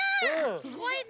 すごいね！